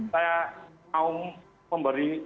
saya mau memberi